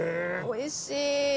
おいしい。